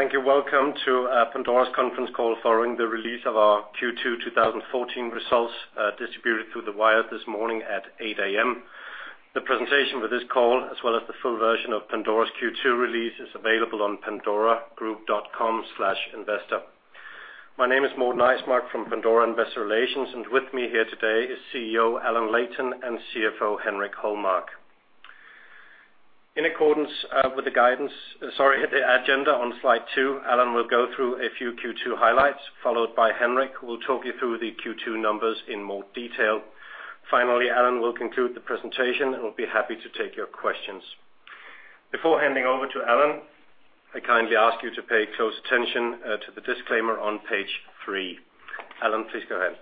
Thank you. Welcome to Pandora's Conference Call following the release of our Q2 2014 results, distributed through the wire this morning at 8:00 A.M. The presentation for this call, as well as the full version of Pandora's Q2 release, is available on pandoragroup.com/investor. My name is Morten Eismark from Pandora Investor Relations, and with me here today is CEO Allan Leighton and CFO Henrik Holmark. In accordance with the guidance, sorry, the agenda on slide two, Allan will go through a few Q2 highlights, followed by Henrik, who will talk you through the Q2 numbers in more detail. Finally, Allan will conclude the presentation and we'll be happy to take your questions. Before handing over to Allan, I kindly ask you to pay close attention to the disclaimer on page three. Allan, please go ahead.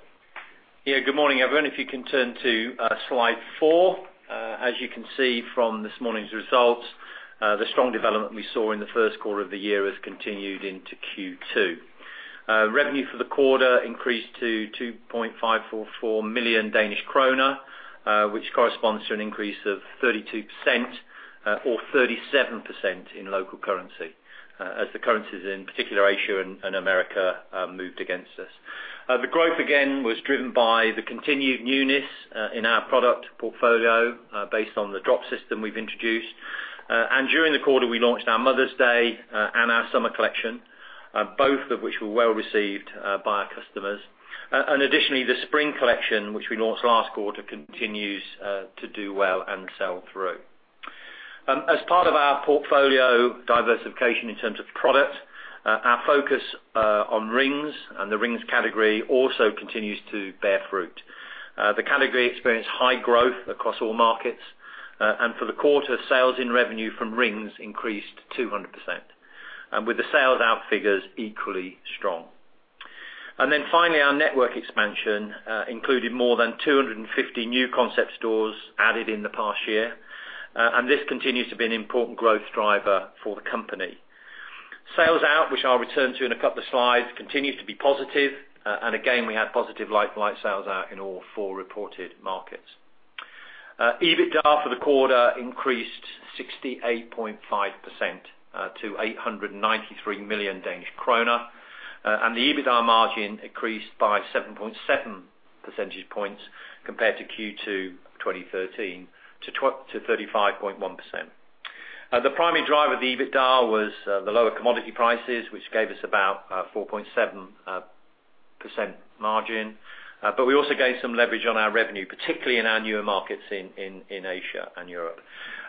Yeah, good morning, everyone. If you can turn to slide four. As you can see from this morning's results, the strong development we saw in the Q1 of the year has continued into Q2. Revenue for the quarter increased to 2.544 million Danish kroner, which corresponds to an increase of 32%, or 37% in local currency, as the currencies, in particular Asia and America, moved against us. The growth again was driven by the continued newness in our product portfolio, based on the drop system we've introduced. And during the quarter, we launched our Mother's Day Collection and our Summer Collection, both of which were well-received by our customers. And additionally, the Spring Collection, which we launched last quarter, continues to do well and sell through. As part of our portfolio diversification in terms of product, our focus on rings and the rings category also continues to bear fruit. The category experienced high growth across all markets, and for the quarter, sales-in revenue from rings increased 200%, and with the sales-out figures equally strong. Then finally, our network expansion included more than 250 new Concept Stores added in the past year, and this continues to be an important growth driver for the company. Sales-out, which I'll return to in a couple of slides, continues to be positive, and again, we had positive like-for-like sales-out in all four reported markets. EBITDA for the quarter increased 68.5% to 893 million Danish kroner, and the EBITDA margin increased by 7.7 percentage points compared to Q2 2013, to 35.1%. The primary driver of the EBITDA was the lower commodity prices, which gave us about 4.7% margin. But we also gained some leverage on our revenue, particularly in our newer markets in Asia and Europe.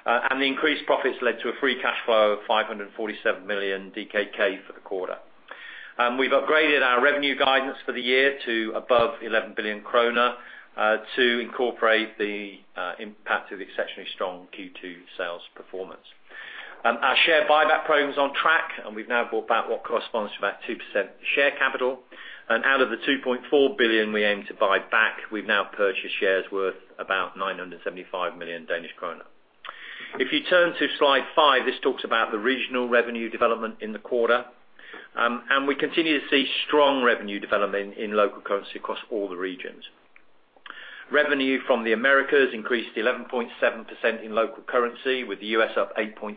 And the increased profits led to a free cash flow of 547 million DKK for the quarter. We've upgraded our revenue guidance for the year to above 11 billion kroner to incorporate the impact of the exceptionally strong Q2 sales performance. Our Share Buyback Program is on track, and we've now bought back what corresponds to about 2% share capital. Out of the 2.4 billion we aim to buy back, we've now purchased shares worth about 975 million Danish kroner. If you turn to slide five, this talks about the regional revenue development in the quarter. We continue to see strong revenue development in local currency across all the regions. Revenue from the Americas increased 11.7% in local currency, with the U.S. up 8.3%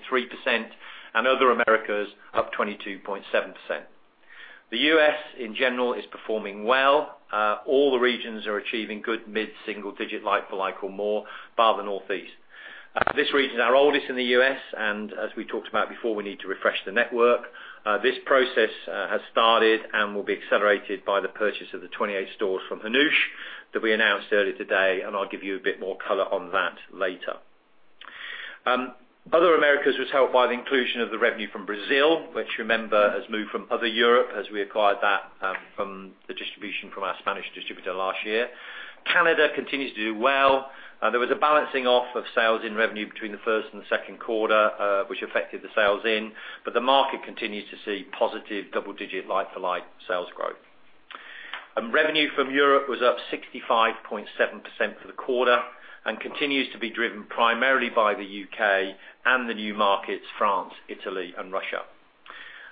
and other Americas up 22.7%. The U.S., in general, is performing well. All the regions are achieving good mid-single digit, like-for-like or more, bar the Northeast. This region, our oldest in the U.S., and as we talked about before, we need to refresh the network. This process has started and will be accelerated by the purchase of the 28 stores from Hanoush that we announced earlier today, and I'll give you a bit more color on that later. Other Americas was helped by the inclusion of the revenue from Brazil, which, remember, has moved from Other Europe, as we acquired that from the distribution from our Spanish distributor last year. Canada continues to do well. There was a balancing off of sales-in revenue between the first and the Q2 which affected the sales-in, but the market continues to see positive double-digit, like-for-like sales growth. Revenue from Europe was up 65.7% for the quarter and continues to be driven primarily by the U.K. and the new markets, France, Italy, and Russia.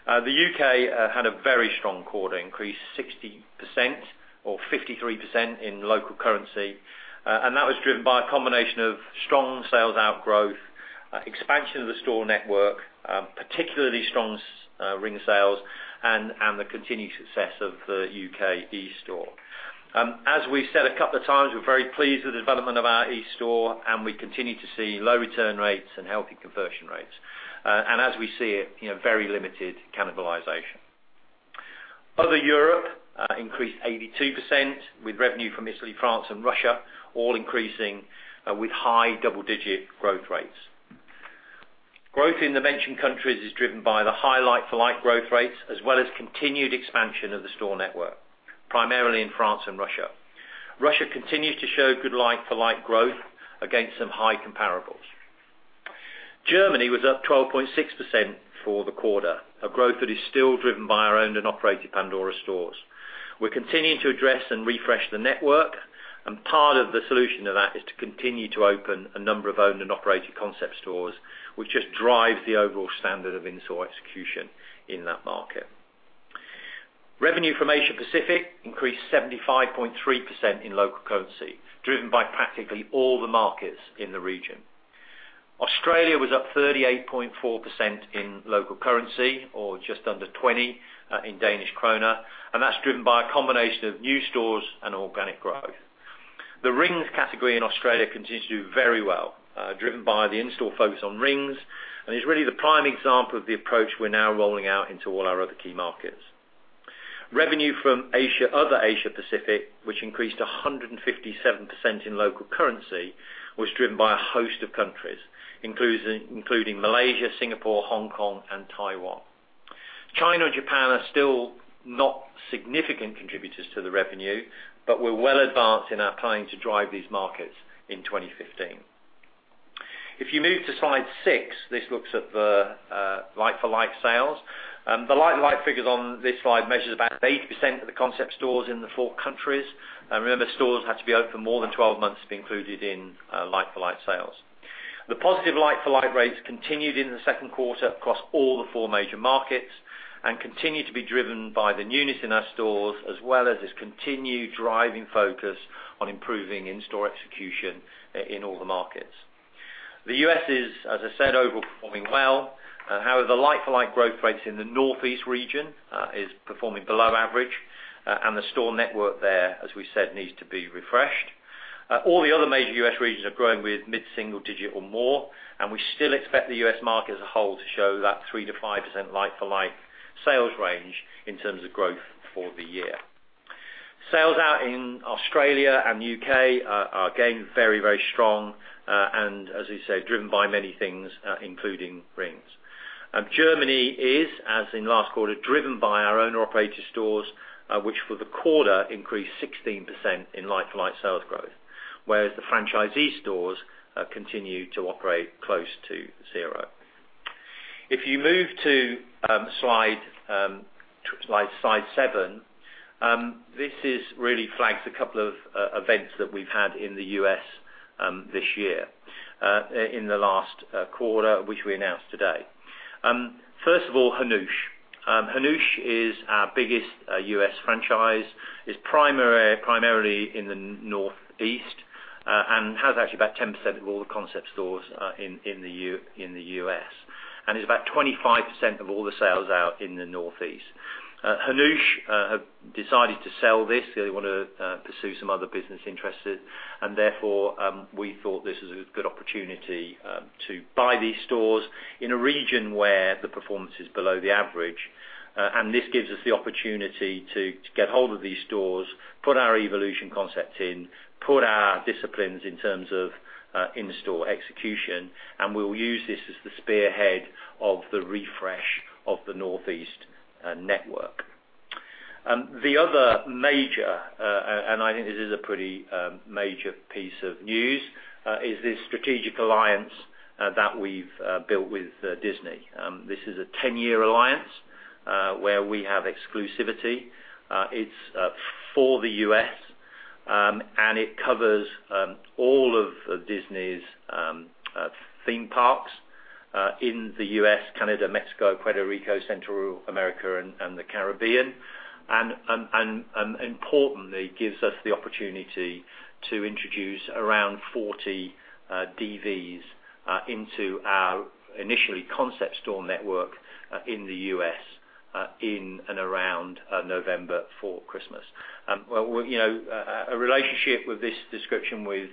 The U.K. had a very strong quarter, increased 60% or 53% in local currency, and that was driven by a combination of strong sales-out growth, expansion of the store network, particularly strong ring sales, and the continued success of the U.K. eStore. As we said a couple of times, we're very pleased with the development of our eStore, and we continue to see low return rates and healthy conversion rates. And as we see it, you know, very limited cannibalization. Other Europe increased 82%, with revenue from Italy, France, and Russia all increasing with high double-digit growth rates. Growth in the mentioned countries is driven by the high like-for-like growth rates, as well as continued expansion of the store network, primarily in France and Russia. Russia continues to show good like-for-like growth against some high comparable. Germany was up 12.6% for the quarter, a growth that is still driven by our owned and operated Pandora stores. We're continuing to address and refresh the network, and part of the solution to that is to continue to open a number of owned and operated concept stores, which just drives the overall standard of in-store execution in that market. Revenue from Asia Pacific increased 75.3% in local currency, driven by practically all the markets in the region. Australia was up 38.4% in local currency, or just under 20% in Danish krone, and that's driven by a combination of new stores and organic growth. The rings category in Australia continues to do very well, driven by the in-store focus on rings, and is really the prime example of the approach we're now rolling out into all our other key markets. Revenue from Asia, other Asia Pacific, which increased 157% in local currency, was driven by a host of countries, including Malaysia, Singapore, Hong Kong, and Taiwan. China and Japan are still not significant contributors to the revenue, but we're well advanced in our plan to drive these markets in 2015. If you move to slide six, this looks at the like-for-like sales. The like-for-like figures on this slide measures about 80% of the concept stores in the four countries. Remember, stores have to be open for more than 12 months to be included in like-for-like sales. The positive like-for-like rates continued in the Q2 across all four major markets, and continue to be driven by the newness in our stores, as well as this continued driving focus on improving in-store execution in all the markets. The U.S. is, as I said, overperforming well. However, the like-for-like growth rates in the Northeast region is performing below average, and the store network there, as we said, needs to be refreshed. All the other major U.S. regions are growing with mid-single-digit or more, and we still expect the U.S. market as a whole to show that 3% to 5% like-for-like sales range in terms of growth for the year. Sales-out in Australia and the U.K. are again very, very strong, and as we said, driven by many things, including rings. Germany is, as in last quarter, driven by our owned and operated stores, which for the quarter increased 16% in like-for-like sales growth, whereas the franchisee stores continue to operate close to zero. If you move to slide seven, this really flags a couple of events that we've had in the U.S., this year, in the last quarter, which we announced today. First of all, Hanoush, Hanoush is our biggest U.S. franchise. It's primarily in the Northeast, and has actually about 10% of all the concept stores in the U.S. And it's about 25% of all the sales-out in the Northeast. Hanoush have decided to sell this. They want to pursue some other business interests, and therefore, we thought this was a good opportunity to buy these stores in a region where the performance is below the average. This gives us the opportunity to get hold of these stores, put our evolution concept in, put our disciplines in terms of in-store execution, and we will use this as the spearhead of the refresh of the Northeast network. The other major, and I think this is a pretty major piece of news, is this strategic alliance that we've built with Disney. This is a 10-year alliance where we have exclusivity. It's for the U.S., and it covers all of Disney's theme parks in the U.S., Canada, Mexico, Puerto Rico, Central America, and the Caribbean. And importantly, it gives us the opportunity to introduce around 40 DVs into our initial concept store network in the U.S. in and around November for Christmas. Well, you know, a relationship with this description with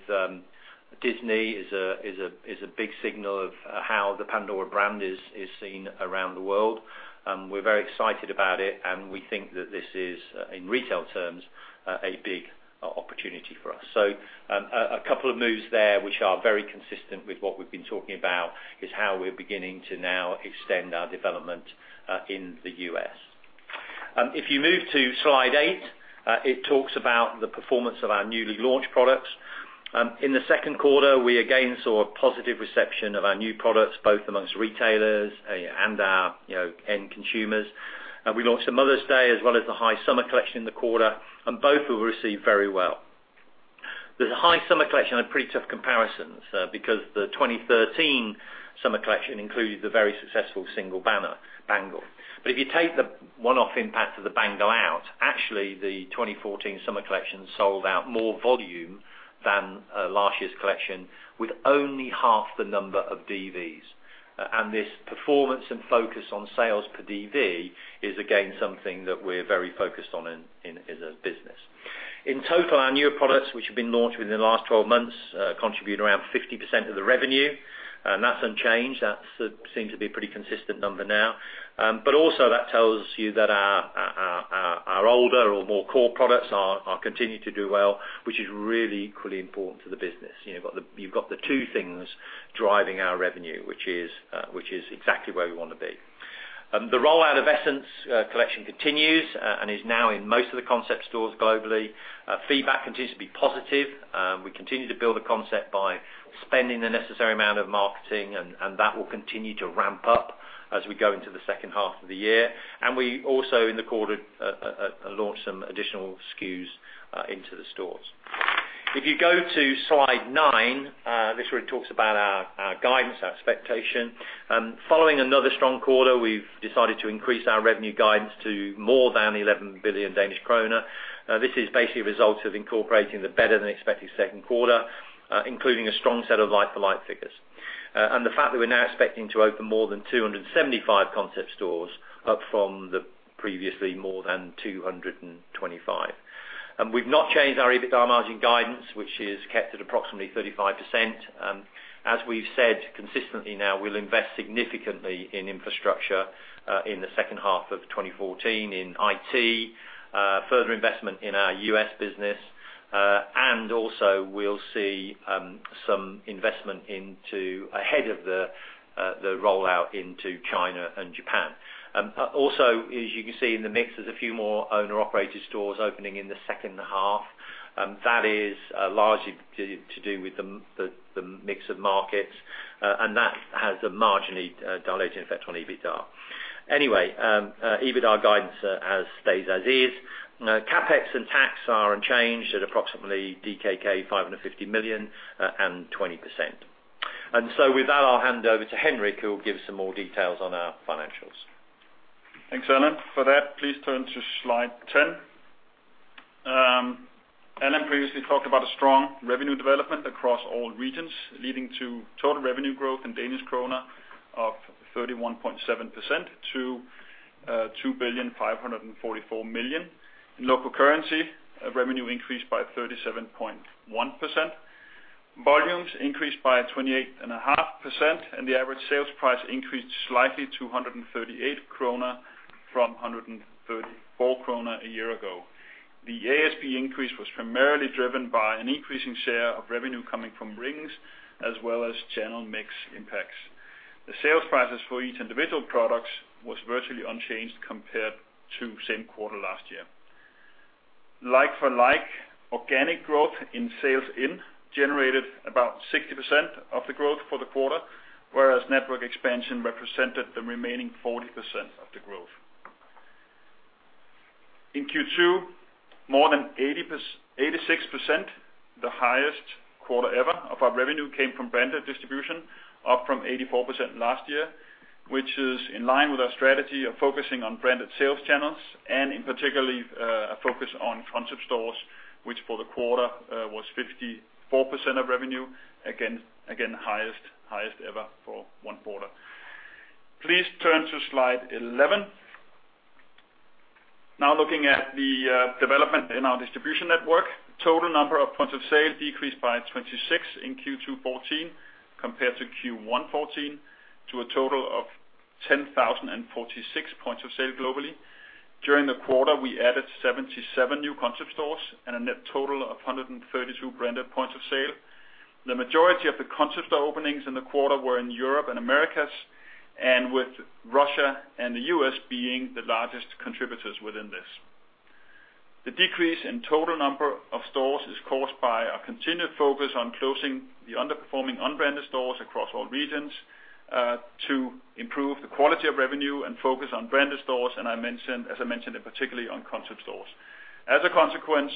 Disney is a big signal of how the Pandora brand is seen around the world, and we're very excited about it, and we think that this is, in retail terms, a big opportunity for us. So, a couple of moves there, which are very consistent with what we've been talking about, is how we're beginning to now extend our development in the U.S. If you move to slide eight, it talks about the performance of our newly launched products. In the Q2, we again saw a positive reception of our new products, both among retailers and our, you know, end consumers. We launched the Mother's Day as well as the High Summer Collection in the quarter, and both were received very well. The High Summer Collection had pretty tough comparisons because the 2013 summer collection included the very successful single bangle. But if you take the one-off impact of the bangle out, actually, the 2014 summer collection sold out more volume than last year's collection, with only half the number of DVs. And this performance and focus on sales per DV is again something that we're very focused on in, in, as a business. In total, our newer products, which have been launched within the last 12 months, contribute around 50% of the revenue, and that's unchanged. That seems to be a pretty consistent number now. But also that tells you that our older or more core products are continuing to do well, which is really equally important to the business. You know, you've got the two things driving our revenue, which is exactly where we want to be. The rollout of Essence Collection continues and is now in most of the Concept Stores globally. Feedback continues to be positive. We continue to build the concept by spending the necessary amount of marketing, and that will continue to ramp up as we go into the H2 of the year. We also, in the quarter, launched some additional SKUs into the stores. If you go to slide nine, this really talks about our guidance, our expectation. Following another strong quarter, we've decided to increase our revenue guidance to more than 11 billion Danish kroner. This is basically a result of incorporating the better-than-expected Q2, including a strong set of like-for-like figures. And the fact that we're now expecting to open more than 275 Concept Stores, up from the previously more than 225. And we've not changed our EBITDA margin guidance, which is kept at approximately 35%. As we've said consistently now, we'll invest significantly in infrastructure in the H2 of 2014 in IT, further investment in our U.S. business, and also we'll see some investment ahead of the rollout into China and Japan. Also, as you can see in the mix, there's a few more owned and operated stores opening in the H2. That is largely to do with the mix of markets, and that has a marginally diluting effect on EBITDA. Anyway, EBITDA guidance stays as is. CapEx and tax are unchanged at approximately DKK 550 million and 20%. So with that, I'll hand over to Henrik, who will give some more details on our financials. Thanks, Allan. For that, please turn to slide 10. Allan previously talked about a strong revenue development across all regions, leading to total revenue growth in Danish kroner of 31.7% to 2,544 million. In local currency, revenue increased by 37.1%. Volumes increased by 28.5%, and the average sales price increased slightly to 138 kroner from 134 kroner a year ago. The ASP increase was primarily driven by an increasing share of revenue coming from rings, as well as channel mix impacts. The sales prices for each individual products was virtually unchanged compared to same quarter last year. Like for like, organic growth in sales-in generated about 60% of the growth for the quarter, whereas network expansion represented the remaining 40% of the growth. In Q2, more than 86%, the highest quarter ever, of our revenue came from branded distribution, up from 84% last year, which is in line with our strategy of focusing on branded sales channels, and in particularly, a focus on concept stores, which for the quarter, was 54% of revenue. Again, highest ever for one quarter. Please turn to slide 11. Now, looking at the development in our distribution network, total number of points of sale decreased by 26 in Q2 2014 compared to Q1 2014, to a total of 10,046 points of sale globally. During the quarter, we added 77 new concept stores and a net total of 132 branded points of sale. The majority of the concept store openings in the quarter were in Europe and Americas, and with Russia and the U.S. being the largest contributors within this. The decrease in total number of stores is caused by our continued focus on closing the underperforming unbranded stores across all regions, to improve the quality of revenue and focus on branded stores, and as I mentioned, particularly on concept stores. As a consequence,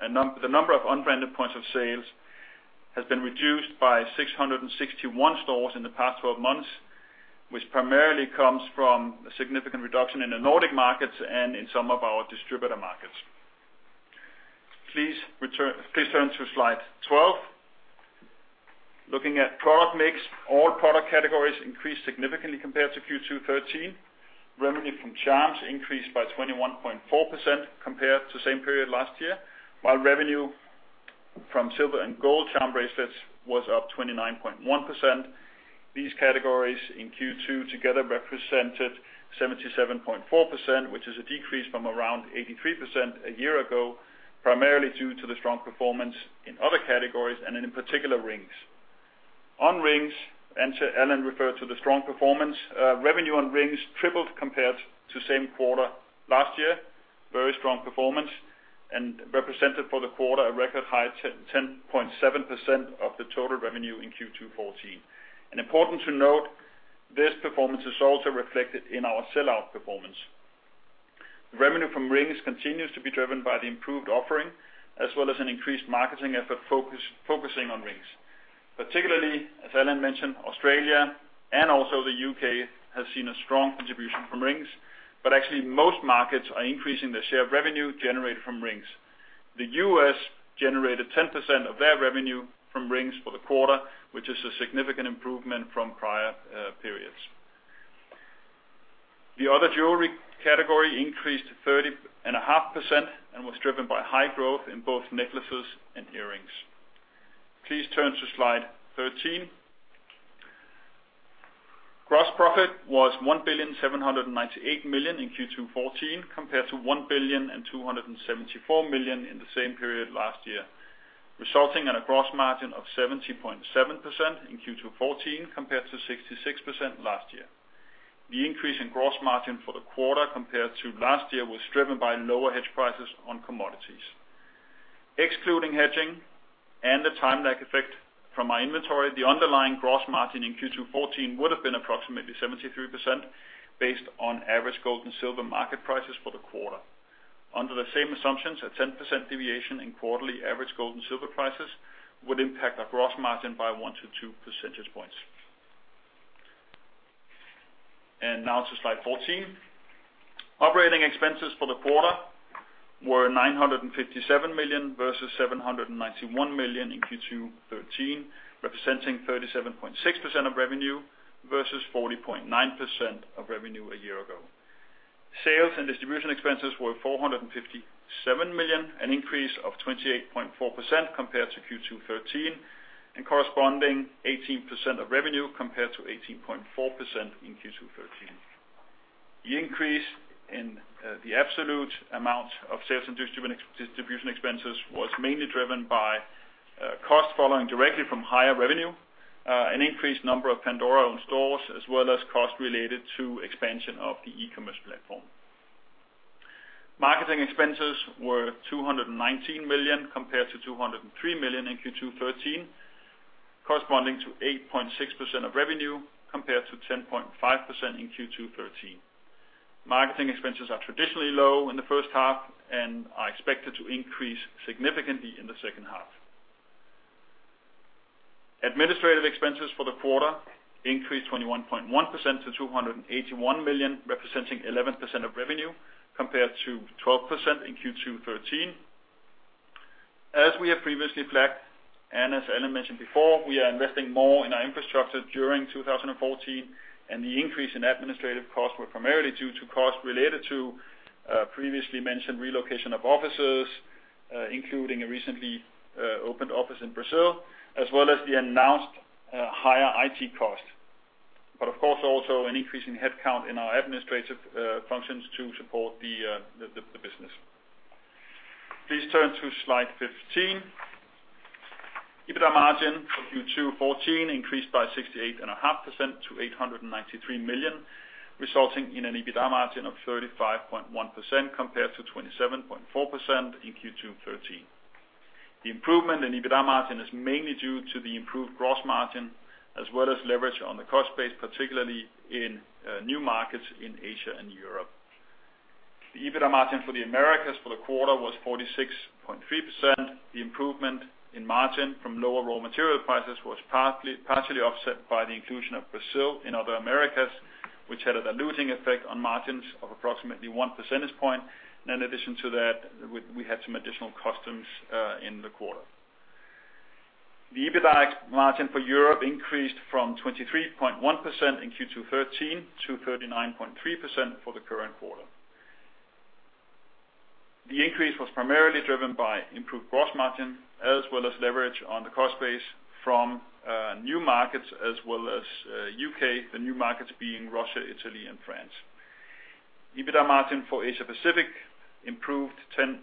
the number of unbranded points of sales has been reduced by 661 stores in the past twelve months, which primarily comes from a significant reduction in the Nordic markets and in some of our distributor markets. Please turn to slide 12. Looking at product mix, all product categories increased significantly compared to Q2 2013. Revenue from charms increased by 21.4% compared to same period last year, while revenue from silver and gold charm bracelets was up 29.1%. These categories in Q2 together represented 77.4%, which is a decrease from around 83% a year ago, primarily due to the strong performance in other categories, and in particular, rings. On rings, as Allan referred to the strong performance, revenue on rings tripled compared to same quarter last year. Very strong performance, and represented for the quarter, a record high 10.7% of the total revenue in Q2 2014. Important to note, this performance is also reflected in our sell-out performance. Revenue from rings continues to be driven by the improved offering, as well as an increased marketing effort focusing on rings. Particularly, as Allan mentioned, Australia and also the U.K., have seen a strong contribution from rings, but actually, most markets are increasing their share of revenue generated from rings. The U.S. generated 10% of their revenue from rings for the quarter, which is a significant improvement from prior periods. The other jewelry category increased 30.5% and was driven by high growth in both necklaces and earrings. Please turn to slide 13. Gross profit was 1,798 million in Q2 2014, compared to 1,274 million in the same period last year, resulting in a gross margin of 70.7% in Q2 2014, compared to 66% last year. The increase in gross margin for the quarter compared to last year, was driven by lower hedge prices on commodities. Excluding hedging and the time lag effect from my inventory, the underlying gross margin in Q2 2014 would have been approximately 73%, based on average gold and silver market prices for the quarter. Under the same assumptions, a 10% deviation in quarterly average gold and silver prices would impact our gross margin by 1 to 2 percentage points. Now to slide 14. Operating expenses for the quarter were 957 million versus 791 million in Q2 2013, representing 37.6% of revenue, versus 40.9% of revenue a year ago. Sales and distribution expenses were 457 million, an increase of 28.4% compared to Q2 2013, and corresponding 18% of revenue compared to 18.4% in Q2 2013. The increase in the absolute amount of sales and distribution expenses was mainly driven by costs following directly from higher revenue, an increased number of Pandora-owned stores, as well as costs related to expansion of the e-commerce platform. Marketing expenses were 219 million, compared to 203 million in Q2 2013, corresponding to 8.6% of revenue, compared to 10.5% in Q2 2013. Marketing expenses are traditionally low in the H1 and are expected to increase significantly in the H2. Administrative expenses for the quarter increased 21.1% to 281 million, representing 11% of revenue, compared to 12% in Q2 2013. As we have previously flagged, and as Allan mentioned before, we are investing more in our infrastructure during 2014, and the increase in administrative costs were primarily due to costs related to, previously mentioned relocation of offices, including a recently, opened office in Brazil, as well as the announced, higher IT costs. But of course, also an increase in headcount in our administrative, functions to support the, the business. Please turn to slide 15. EBITDA margin for Q2 2014 increased by 68.5% to 893 million, resulting in an EBITDA margin of 35.1% compared to 27.4% in Q2 2013. The improvement in EBITDA margin is mainly due to the improved gross margin, as well as leverage on the cost base, particularly in new markets in Asia and Europe. The EBITDA margin for the Americas for the quarter was 46.3%. The improvement in margin from lower raw material prices was partly, partially offset by the inclusion of Brazil in other Americas, which had a diluting effect on margins of approximately one percentage point. In addition to that, we had some additional customs in the quarter. The EBITDA margin for Europe increased from 23.1% in Q2 2013 to 39.3% for the current quarter. The increase was primarily driven by improved gross margin, as well as leverage on the cost base from new markets as well as U.K. the new markets being Russia, Italy, and France. EBITDA margin for Asia Pacific improved 10.6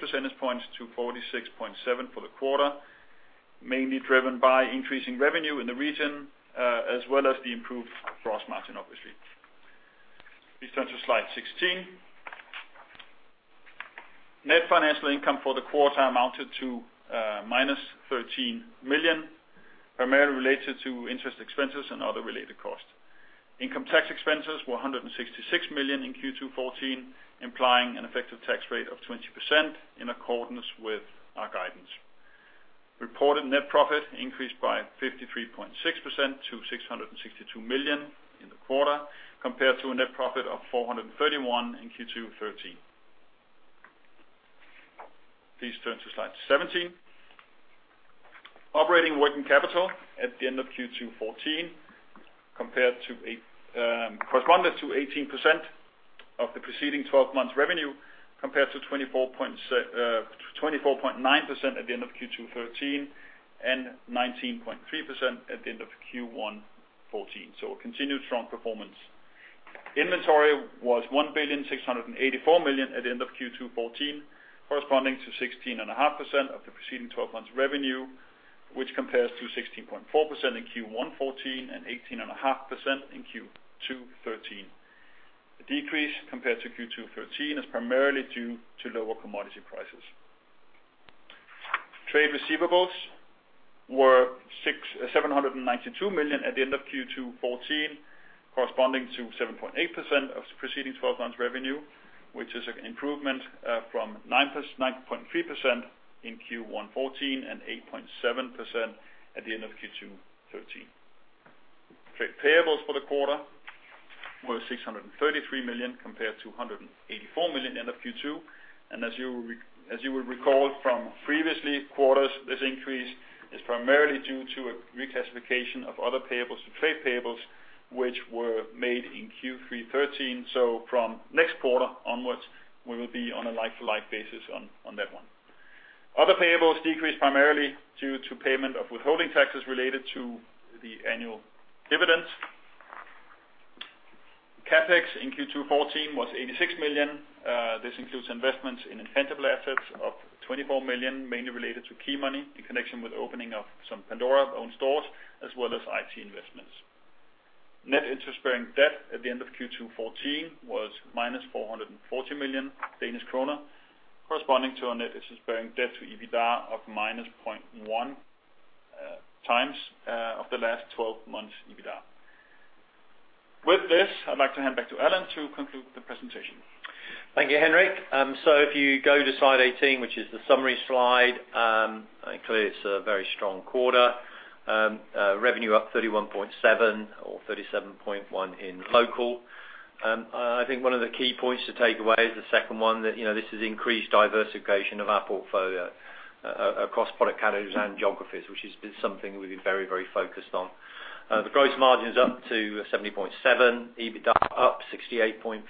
percentage points to 46.7% for the quarter, mainly driven by increasing revenue in the region, as well as the improved gross margin, obviously. Please turn to slide 16. Net financial income for the quarter amounted to -13 million, primarily related to interest expenses and other related costs. Income tax expenses were 166 million in Q2 2014, implying an effective tax rate of 20% in accordance with our guidance. Reported net profit increased by 53.6% to 662 million in the quarter, compared to a net profit of 431 million in Q2 2013. Please turn to slide 17. Operating working capital at the end of Q2 2014, compared to a, corresponded to 18% of the preceding twelve months revenue, compared to 24.9% at the end of Q2 2013, and 19.3% at the end of Q1 2014. So a continued strong performance. Inventory was 1,684 million at the end of Q2 2014, corresponding to 16.5% of the preceding twelve months revenue, which compares to 16.4% in Q1 2014 and 18.5% in Q2 2013. The decrease compared to Q2 2013 is primarily due to lower commodity prices. Trade receivables were 679 million at the end of Q2 2014, corresponding to 7.8% of the preceding twelve months revenue, which is an improvement from 9.3% in Q1 2014 and 8.7% at the end of Q2 2013. Trade payables for the quarter were 633 million compared to 184 million at the end of Q2. As you would recall from previous quarters, this increase is primarily due to a reclassification of other payables to trade payables, which were made in Q3 2013. So from next quarter onwards, we will be on a like-for-like basis on that one. Other payables decreased primarily due to payment of withholding taxes related to the annual dividends. CapEx in Q2 2014 was 86 million. This includes investments in intangible assets of 24 million, mainly related to key money in connection with opening of some Pandora-owned stores, as well as IT investments. Net interest-bearing debt at the end of Q2 2014 was -440 million Danish kroner, corresponding to a net interest-bearing debt to EBITDA of -0.1x of the last twelve months EBITDA. With this, I'd like to hand back to Allan to conclude the presentation. Thank you, Henrik. So if you go to slide 18, which is the summary slide, clearly, it's a very strong quarter. Revenue up 31.7% or 37.1% in local. I think one of the key points to take away is the second one, that, you know, this is increased diversification of our portfolio across product categories and geographies, which has been something we've been very, very focused on. The gross margin is up to 70.7%, EBITDA up 68.5%,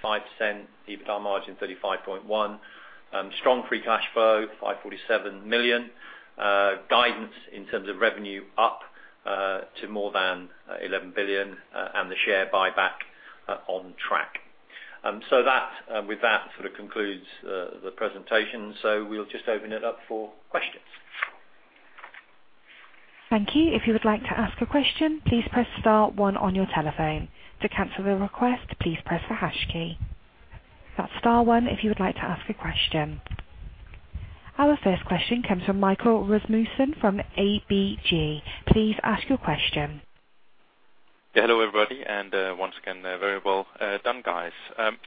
EBITDA margin 35.1%. Strong free cash flow, 547 million. Guidance in terms of revenue up to more than 11 billion, and the share buyback on track. So that with that sort of concludes the presentation. So we'll just open it up for questions. Thank you. If you would like to ask a question, please press star one on your telephone. To cancel the request, please press the hash key. That's star one if you would like to ask a question. Our first question comes from Michael Rasmussen from ABG. Please ask your question. Yeah, hello, everybody, and once again, very well done, guys.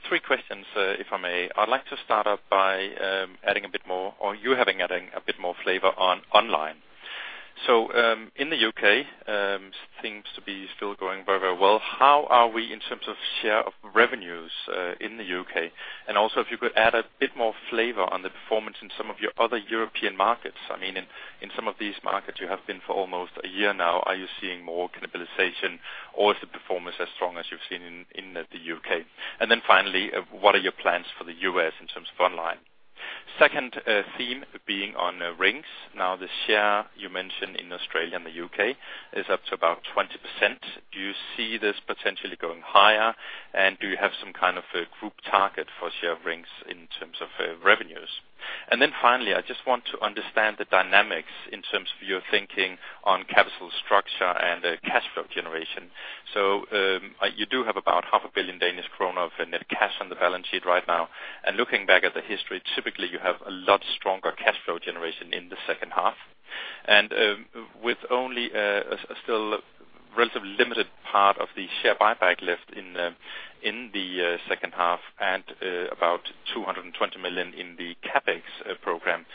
Three questions, if I may. I'd like to start off by adding a bit more, or you having adding a bit more flavor on online. So, in the U.K. things to be still going very, very well. How are we in terms of share of revenues in the U.K.? And also, if you could add a bit more flavor on the performance in some of your other European markets. I mean, in some of these markets, you have been for almost a year now. Are you seeing more cannibalization, or is the performance as strong as you've seen in the U.K.? And then finally, what are your plans for the U.S. in terms of online? Second, theme being on Rings. Now, the share you mentioned in Australia and the U.K. is up to about 20%. Do you see this potentially going higher? And do you have some kind of a group target for share of Rings in terms of revenues? And then finally, I just want to understand the dynamics in terms of your thinking on capital structure and cash flow generation. So, you do have about 500 million Danish kroner of net cash on the balance sheet right now. And looking back at the history, typically, you have a lot stronger cash flow generation in the H2. And with only a still relatively limited part of the share buyback left in the H2 and about 220 million in the CapEx program,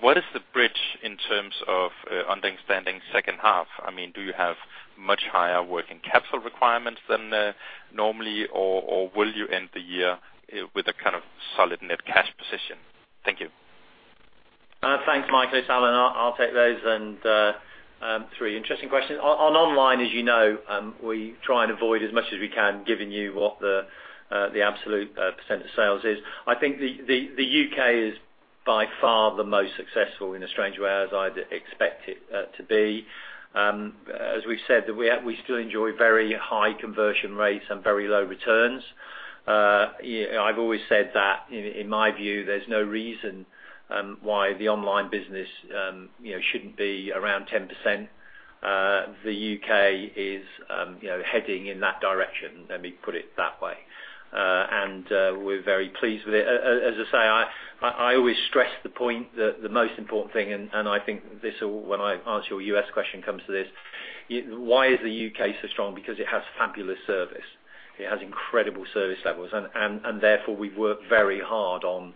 what is the bridge in terms of understanding H2? I mean, do you have much higher working capital requirements than normally or will you end the year with a kind of solid net cash position? Thank you. Thanks, Michael. It's Allan. I'll take those, and three interesting questions. On online, as you know, we try and avoid as much as we can, giving you what the absolute percent of sales is. I think the U.K. is by far the most successful in a strange way, as I'd expect it to be. As we've said, we still enjoy very high conversion rates and very low returns. I've always said that, in my view, there's no reason why the online business, you know, shouldn't be around 10%. The U.K. is, you know, heading in that direction, let me put it that way. And we're very pleased with it. As I say, I always stress the point that the most important thing, when I answer your U.S. question, comes to this, why is the U.K. so strong? Because it has fabulous service. It has incredible service levels, and therefore, we've worked very hard on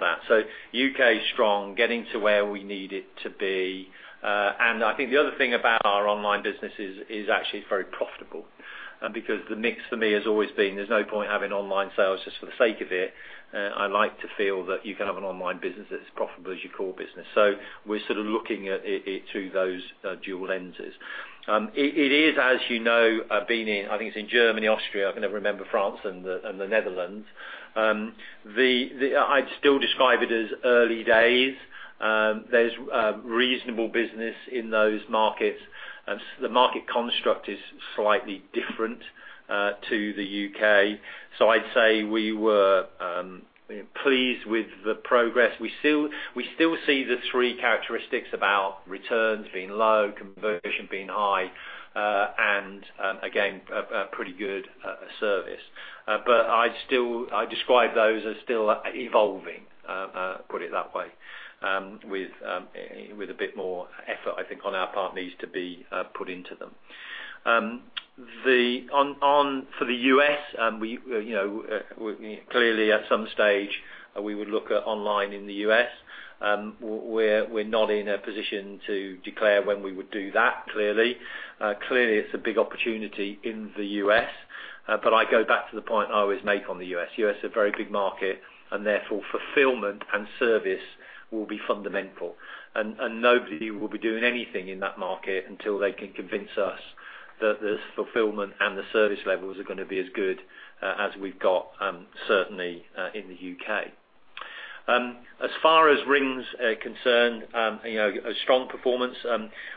that. So U.K. is strong, getting to where we need it to be, and I think the other thing about our online business is actually it's very profitable. Because the mix for me has always been, there's no point having online sales just for the sake of it. I like to feel that you can have an online business that's as profitable as your core business. So we're sort of looking at it through those dual lenses. It is, as you know, being in, I think it's in Germany, Austria, I can never remember, France and the Netherlands. I'd still describe it as early days. There's reasonable business in those markets. The market construct is slightly different to the U.K. So I'd say we were pleased with the progress. We still see the three characteristics about returns being low, conversion being high, and again, a pretty good service. But I'd still describe those as still evolving, put it that way. With a bit more effort, I think, on our part needs to be put into them. For the U.S., we, you know, clearly, at some stage, we would look at online in the U.S. We're not in a position to declare when we would do that, clearly. Clearly, it's a big opportunity in the U.S., but I go back to the point I always make on the U.S. The U.S. is a very big market, and therefore, fulfillment and service will be fundamental. Nobody will be doing anything in that market until they can convince us that the fulfillment and the service levels are gonna be as good as we've got, certainly, in the U.K. As far as Rings are concerned, you know, a strong performance,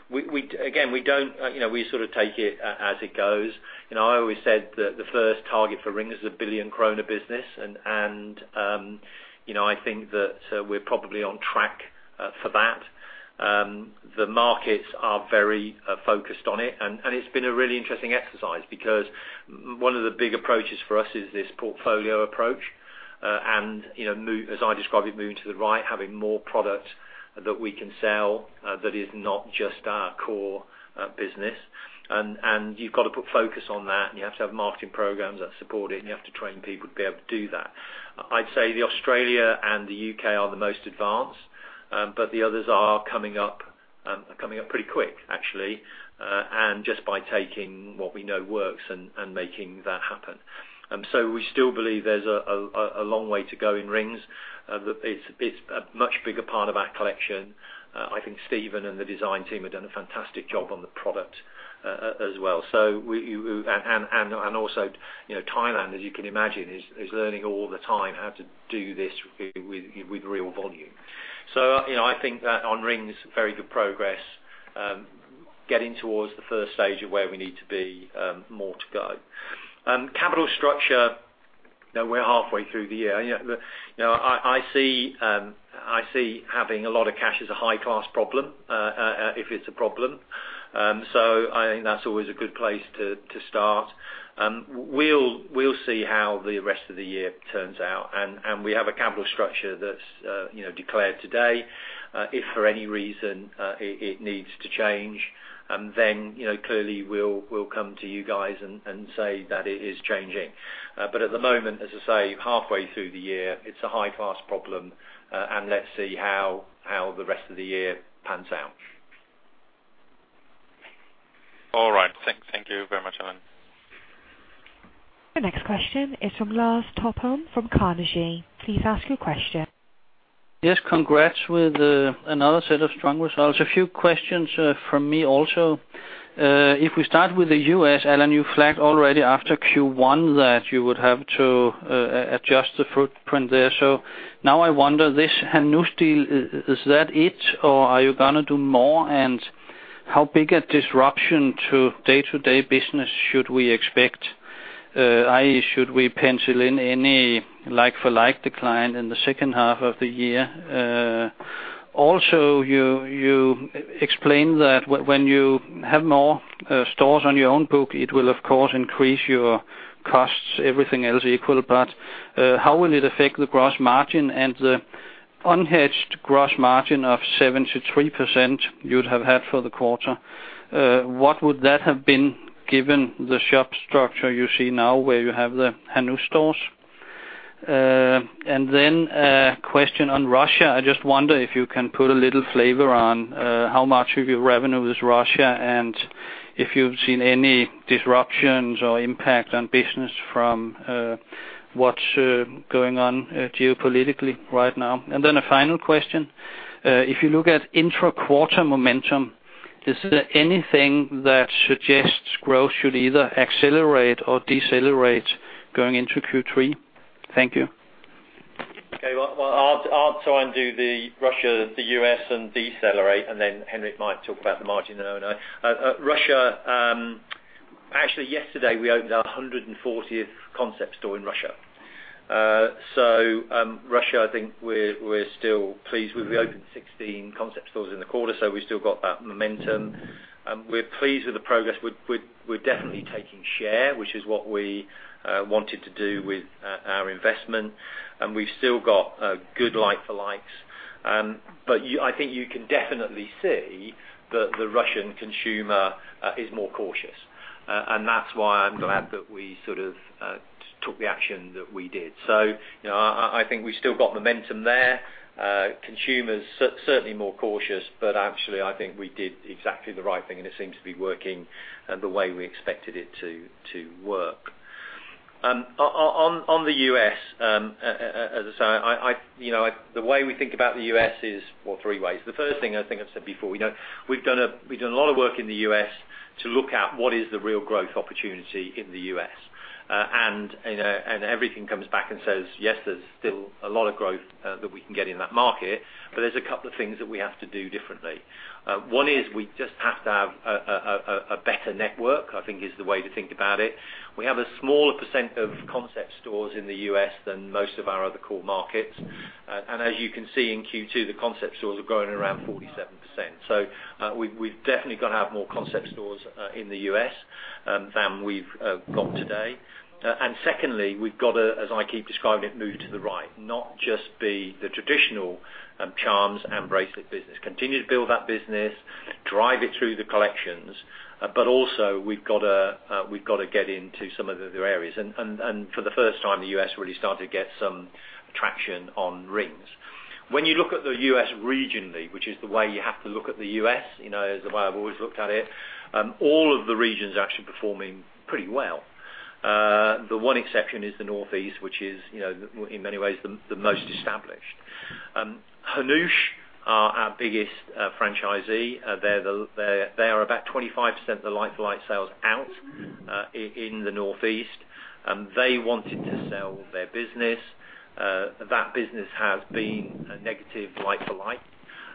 again, we don't, you know, we sort of take it as it goes. You know, I always said that the first target for Rings is a 1 billion kroner business, and you know, I think that we're probably on track for that. The markets are very focused on it, and it's been a really interesting exercise because one of the big approaches for us is this portfolio approach. And, you know, as I describe it, moving to the right, having more product that we can sell that is not just our core business. And you've got to put focus on that, and you have to have marketing programs that support it, and you have to train people to be able to do that. I'd say the Australia and the U.K. are the most advanced, but the others are coming up, coming up pretty quick, actually, and just by taking what we know works and making that happen. So we still believe there's a long way to go in rings. It's a much bigger part of our collection. I think Stephen and the design team have done a fantastic job on the product, as well. So we and also, you know, Thailand, as you can imagine, is learning all the time how to do this with real volume. So, you know, I think that on rings, very good progress, getting towards the first stage of where we need to be more to go. Capital structure, now we're halfway through the year. You know, I see having a lot of cash as a high-class problem, if it's a problem. So I think that's always a good place to start. We'll see how the rest of the year turns out, and we have a capital structure that's, you know, declared today. If for any reason, it needs to change, then, you know, clearly, we'll come to you guys and say that it is changing. But at the moment, as I say, halfway through the year, it's a high-class problem, and let's see how the rest of the year pans out. All right. Thank you very much, Allan. The next question is from Lars Topholm from Carnegie. Please ask your question. Yes, congrats with another set of strong results. A few questions from me also. If we start with the U.S., Allan, you flagged already after Q1 that you would have to adjust the footprint there. So now I wonder, this Hanoush deal, is that it, or are you gonna do more? And how big a disruption to day-to-day business should we expect? I.e., should we pencil in any like-for-like decline in the H2 of the year? Also, you explained that when you have more stores on your own book, it will, of course, increase your costs, everything else equal. But how will it affect the gross margin and the unhedged gross margin of 7% to 3% you'd have had for the quarter? What would that have been, given the shop structure you see now, where you have the Hanoush stores? And then a question on Russia. I just wonder if you can put a little flavor on how much of your revenue is Russia, and if you've seen any disruptions or impact on business from what's going on geopolitically right now. And then a final question, if you look at intra-quarter momentum, is there anything that suggests growth should either accelerate or decelerate going into Q3? Thank you. Okay, well, I'll try and do the Russia, the U.S. and decelerate, and then Henrik might talk about the margin then, I know. Russia, actually, yesterday, we opened our 140th Concept Store in Russia. So, Russia, I think we're still pleased. We opened 16 Concept Stores in the quarter, so we still got that momentum. We're pleased with the progress. We're definitely taking share, which is what we wanted to do with our investment, and we've still got a good like-for-likes. But I think you can definitely see that the Russian consumer is more cautious. And that's why I'm glad that we sort of took the action that we did. So, you know, I think we've still got momentum there. Consumers certainly more cautious, but actually, I think we did exactly the right thing, and it seems to be working the way we expected it to work. On the U.S., as I say, you know, the way we think about the U.S. is, well, three ways. The first thing, I think I've said before, we know we've done a lot of work in the U.S. to look at what is the real growth opportunity in the U.S. And, you know, everything comes back and says, "Yes, there's still a lot of growth that we can get in that market," but there's a couple of things that we have to do differently. One is we just have to have a better network, I think is the way to think about it. We have a smaller percent of Concept Stores in the U.S. than most of our other core markets. And as you can see in Q2, the Concept Stores are growing around 47%. So, we've definitely got to have more Concept Stores in the U.S. than we've got today. And secondly, we've got to, as I keep describing it, move to the right, not just the traditional charms and bracelet business. Continue to build that business, drive it through the collections, but also we've got to get into some of the other areas. And for the first time, the U.S. really started to get some traction on rings. When you look at the U.S. regionally, which is the way you have to look at the U.S., you know, is the way I've always looked at it, all of the regions are actually performing pretty well. The one exception is the Northeast, which is, you know, in many ways, the most established. Hanoush, our biggest franchisee, they are about 25% of the like-for-like sales-out in the Northeast. They wanted to sell their business. That business has been a negative like-for-like,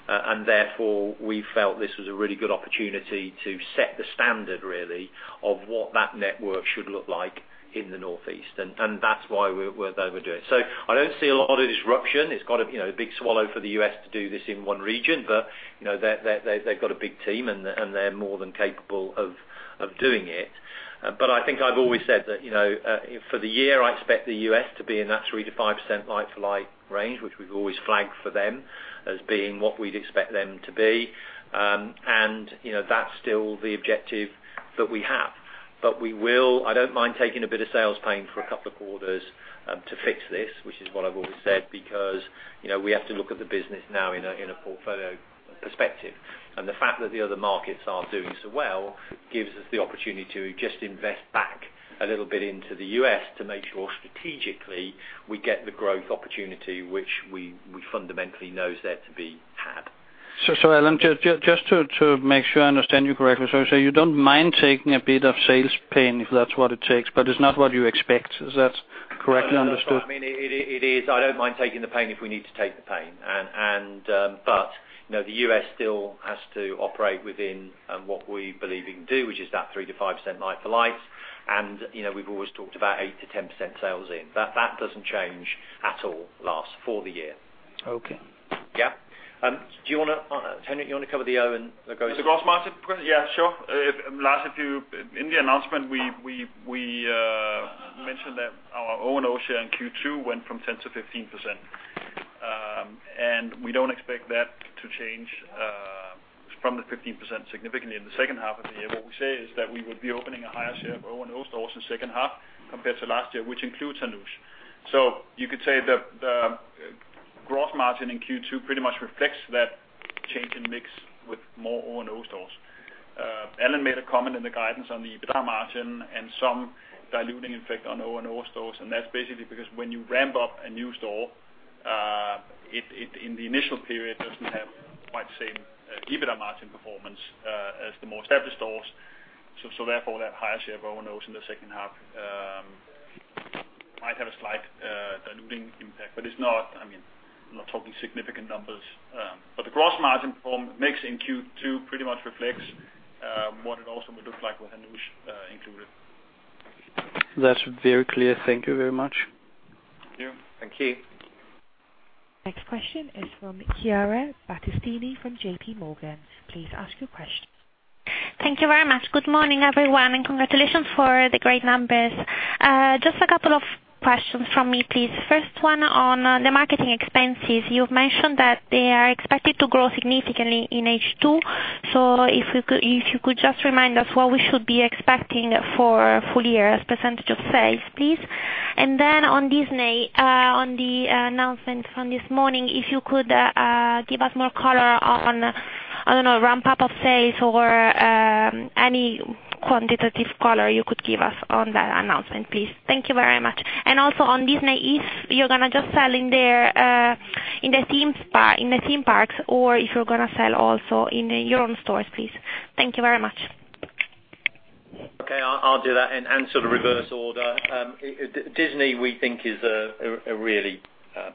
and therefore, we felt this was a really good opportunity to set the standard really, of what that network should look like in the Northeast, and that's why we're overdoing it. So I don't see a lot of disruption. It's got a, you know, a big swallow for the U.S. to do this in one region, but, you know, they, they, they've got a big team and, and they're more than capable of, of doing it. But I think I've always said that, you know, for the year, I expect the U.S. to be in that 3% to 5% like-for-like range, which we've always flagged for them as being what we'd expect them to be. And, you know, that's still the objective that we have. But we will. I don't mind taking a bit of sales pain for a couple of quarters, to fix this, which is what I've always said, because, you know, we have to look at the business now in a, in a portfolio perspective. The fact that the other markets are doing so well gives us the opportunity to just invest back a little bit into the U.S. to make sure, strategically, we get the growth opportunity, which we fundamentally know there to be had. So, Allan, just to make sure I understand you correctly. So you say you don't mind taking a bit of sales pain, if that's what it takes, but it's not what you expect. Is that correctly understood? I mean, it is. I don't mind taking the pain if we need to take the pain. And, but, you know, the US still has to operate within what we believe we can do, which is that 3% to 5% like-for-like. And, you know, we've always talked about 8% to 10% sales-in. That doesn't change at all, Lars, for the year. Okay. Yeah. Do you wanna, Henrik, you want to cover the O and the gross margin? The gross margin? Yeah, sure. Lars, in the announcement, we mentioned that our O&O share in Q2 went from 10% to 15%. And we don't expect that to change from the 15% significantly in the H2 of the year. What we say is that we would be opening a higher share of O&O stores in the H2 compared to last year, which includes Hanoush. So you could say the gross margin in Q2 pretty much reflects that change in mix with more O&O stores. Allan made a comment in the guidance on the EBITDA margin and some diluting effect on O&O stores, and that's basically because when you ramp up a new store, it in the initial period doesn't have quite the same EBITDA margin performance as the more established stores. So therefore, that higher share of O&Os in the H2 might have a slight diluting impact, but it's not, I mean, I'm not talking significant numbers. But the gross margin from mix in Q2 pretty much reflects what it also would look like with Hanoush included. That's very clear. Thank you very much. Thank you. Thank you. Next question is from Chiara Battistini from J.P. Morgan. Please ask your question. Thank you very much. Good morning, everyone, and congratulations for the great numbers. Just a couple of questions from me, please. First one on the marketing expenses. You've mentioned that they are expected to grow significantly in H2. So if you could, if you could just remind us what we should be expecting for full year as percentage of sales, please. And then on Disney, on the announcement from this morning, if you could give us more color on, I don't know, ramp up of sales or any quantitative color you could give us on that announcement, please. Thank you very much. And also on Disney, if you're gonna just sell in there in the theme parks, or if you're gonna sell also in your own stores, please. Thank you very much. Okay, I'll do that and sort of reverse order. Disney, we think is a really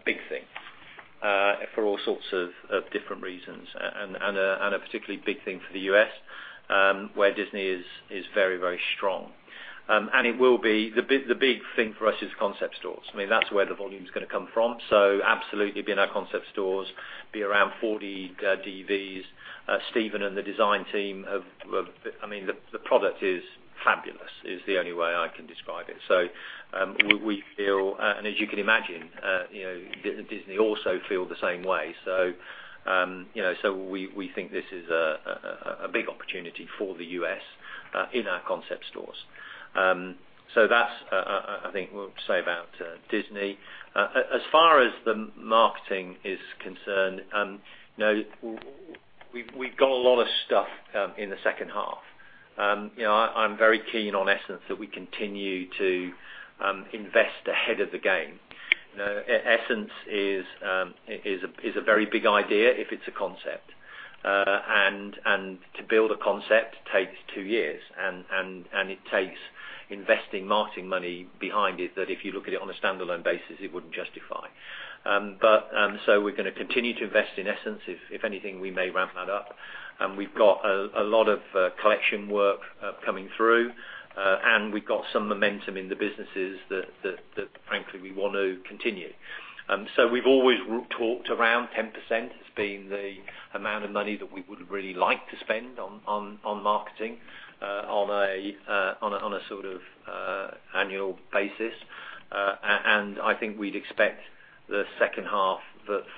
big thing for all sorts of different reasons and a particularly big thing for the U.S., where Disney is very, very strong. And it will be the big thing for us is concept stores. I mean, that's where the volume is going to come from. So absolutely, be in our concept stores, be around 40 DVs. Stephen and the design team have, I mean, the product is fabulous, is the only way I can describe it. So, we feel, and as you can imagine, you know, Disney also feel the same way. So, you know, so we think this is a big opportunity for the U.S. in our Concept Stores. So that's, I think we'll say about, Disney. As far as the marketing is concerned, you know, we've got a lot of stuff in the H2. You know, I'm very keen on Essence, that we continue to invest ahead of the game. You know, Essence is a very big idea if it's a concept. To build a concept takes two years, and it takes investing marketing money behind it, that if you look at it on a standalone basis, it wouldn't justify. So we're gonna continue to invest in Essence. If anything, we may ramp that up, and we've got a lot of collection work coming through, and we've got some momentum in the businesses that frankly, we want to continue. So we've always talked around 10% as being the amount of money that we would really like to spend on marketing on a sort of annual basis. And I think we'd expect the H2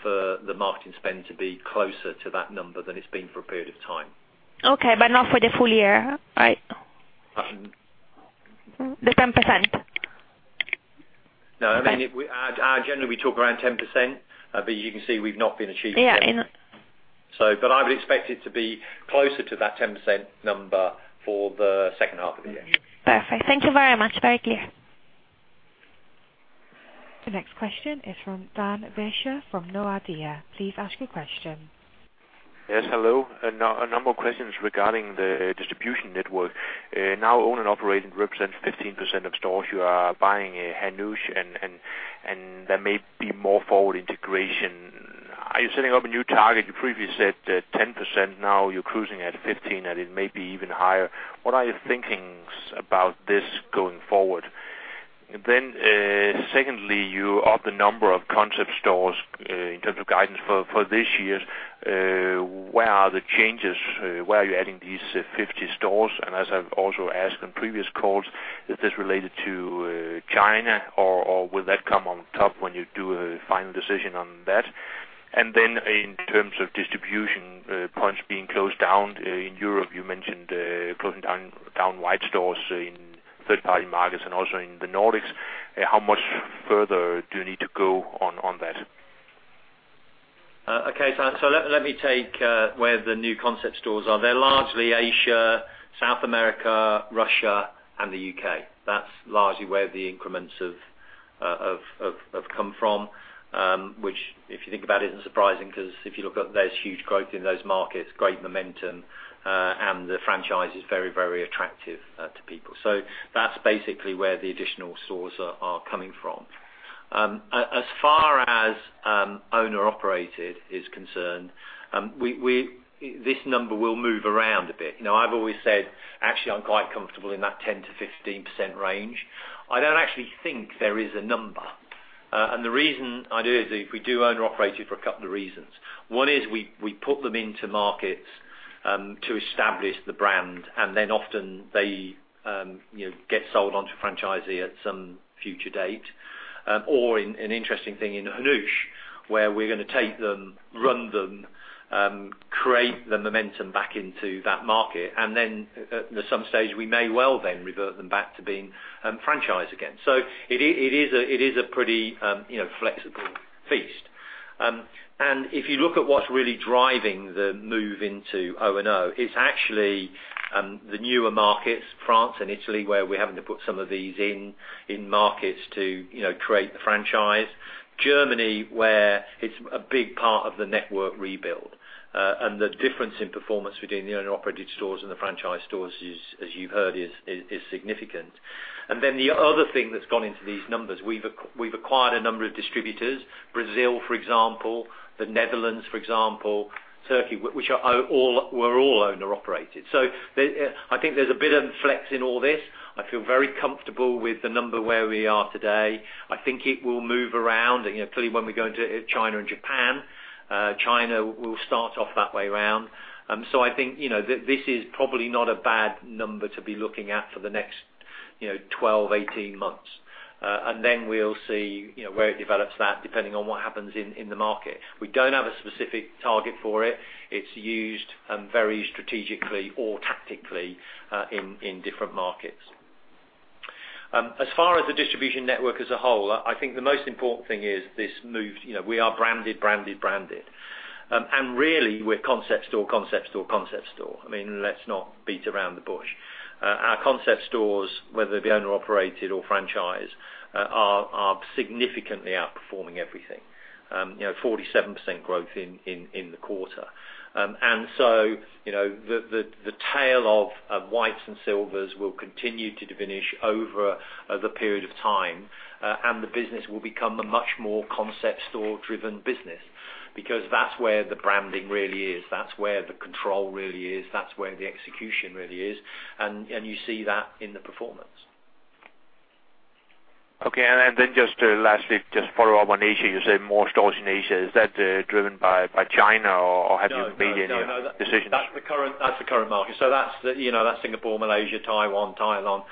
for the marketing spend to be closer to that number than it's been for a period of time. Okay, but not for the full year, right? The 10%. No, I mean, if we generally, we talk around 10%, but you can see we've not been achieving that. Yeah. I would expect it to be closer to that 10% number for the H2of the year. Perfect. Thank you very much. Very clear. The next question is from Hans Gregersen from Nordea Markets. Please ask your question. Yes, hello. A number of questions regarding the distribution network. Now owned and operated represents 15% of stores you are buying in Hanoush, and there may be more forward integration. Are you setting up a new target? You previously said that 10%, now you're cruising at 15, and it may be even higher. What are your thinking about this going forward? Then, secondly, you up the number of Concept Stores, in terms of guidance for this year. Where are the changes? Where are you adding these 50 stores? And as I've also asked on previous calls, is this related to China, or will that come on top when you do a final decision on that? Then in terms of distribution points being closed down in Europe, you mentioned closing down owned stores in third-party markets and also in the Nordics. How much further do you need to go on that? Okay, so let me take where the new Concept Stores are. They're largely Asia, South America, Russia, and the U.K. That's largely where the increments have come from, which, if you think about it, isn't surprising, 'cause if you look at there's huge growth in those markets, great momentum, and the franchise is very, very attractive to people. So that's basically where the additional stores are coming from. As far as owned and operated is concerned, this number will move around a bit. Now, I've always said, actually, I'm quite comfortable in that 10% to 15% range. I don't actually think there is a number. And the reason I do is if we do owned and operated for a couple of reasons. One is we put them into markets to establish the brand, and then often they you know get sold onto franchisee at some future date. Or an interesting thing in Hanoush, where we're going to take them, run them create the momentum back into that market, and then at some stage, we may well then revert them back to being franchise again. So it is a pretty you know flexible feast. And if you look at what's really driving the move into O&O, it's actually the newer markets, France and Italy, where we're having to put some of these in markets to you know create the franchise. Germany, where it's a big part of the network rebuild, and the difference in performance between the owner-operated stores and the franchise stores is, as you heard, significant. And then the other thing that's gone into these numbers, we've acquired a number of distributors, Brazil, for example, the Netherlands, for example, Turkey, which are all, were all owner-operated. So I think there's a bit of flex in all this. I feel very comfortable with the number where we are today. I think it will move around, you know, clearly when we go into China and Japan, China will start off that way round. So I think, you know, this, this is probably not a bad number to be looking at for the next, you know, 12, 18 months. And then we'll see, you know, where it develops that, depending on what happens in the market. We don't have a specific target for it. It's used very strategically or tactically in different markets. As far as the distribution network as a whole, I think the most important thing is this move, you know, we are branded, branded, branded. And really, we're Concept Store, Concept Store, Concept Store. I mean, let's not beat around the bush. Our Concept Stores, whether they be owner-operated or franchise, are significantly outperforming everything. You know, 47% growth in the quarter. And so, you know, the tail of Whites and Silvers will continue to diminish over a period of time, and the business will become a much more Concept store-driven business, because that's where the branding really is, that's where the control really is, that's where the execution really is, and you see that in the performance. Okay, and then, then just lastly, just follow up on Asia. You said more stores in Asia. Is that, driven by China, or have you made any decisions? No, that's the current, that's the current market. So that's Singapore, Malaysia, Taiwan, Thailand,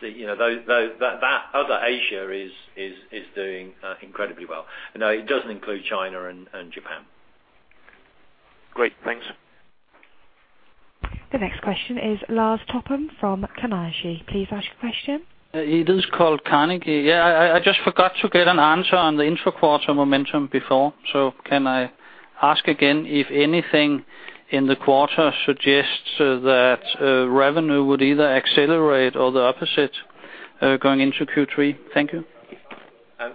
you know, that other Asia is doing incredibly well. No, it doesn't include China and Japan. Great. Thanks. The next question is Lars Topholm from Carnegie. Please ask your question. It is called Carnegie. Yeah, I, I just forgot to get an answer on the intra-quarter momentum before. So can I ask again if anything in the quarter suggests that revenue would either accelerate or the opposite, going into Q3? Thank you.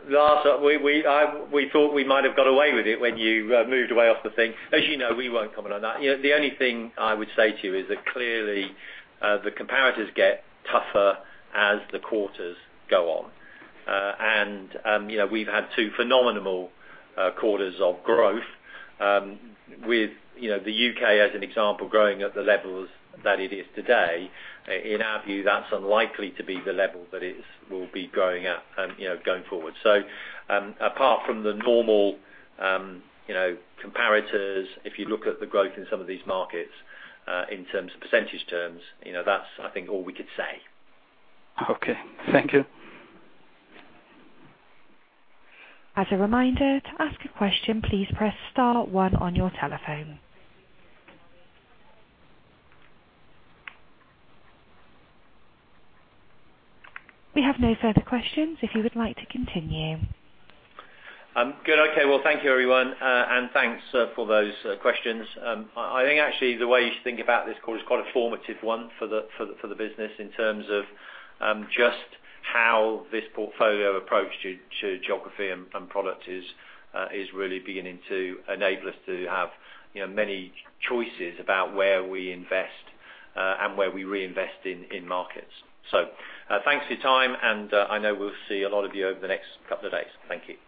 Lars, we thought we might have got away with it when you moved away off the thing. As you know, we won't comment on that. You know, the only thing I would say to you is that clearly, the comparators get tougher as the quarters go on. You know, we've had two phenomenal quarters of growth, with, you know, the U.K., as an example, growing at the levels that it is today. In our view, that's unlikely to be the level that will be growing at, you know, going forward. So, apart from the normal, you know, comparators, if you look at the growth in some of these markets, in terms of percentage terms, you know, that's, I think, all we could say. Okay. Thank you. As a reminder, to ask a question, please press star one on your telephone. We have no further questions if you would like to continue. Good. Okay. Well, thank you, everyone, and thanks for those questions. I think actually the way you should think about this call is quite a formative one for the business in terms of just how this portfolio approach to geography and product is really beginning to enable us to have, you know, many choices about where we invest and where we reinvest in markets. So, thanks for your time, and I know we'll see a lot of you over the next couple of days. Thank you.